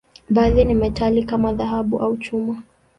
Baadhi ni metali, kama dhahabu au chuma.